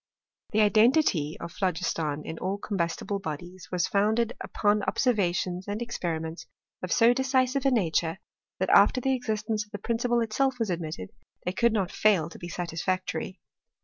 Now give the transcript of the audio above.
The identity of phlogiston in all combustible bodies was founded upon observations and experiments of so decisive a nature, that after the existence of the prin ciple itself was admitted, they could not fail to be satisfactory.